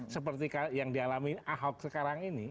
seperti yang dialami ahok sekarang ini